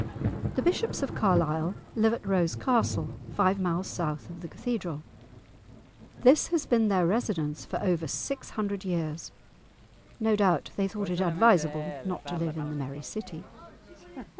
The bishops of Carlisle live at Rose Castle, five miles south of the Cathedral. This has been their residence for over six hundred years. No doubt they thought it advisable not to live in the "merrie city"!